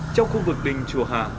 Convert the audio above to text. trong khu vực đình chùa hà